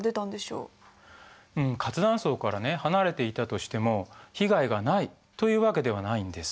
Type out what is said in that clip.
うん活断層からね離れていたとしても被害がないというわけではないんです。